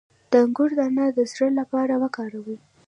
د انګور دانه د زړه لپاره وکاروئ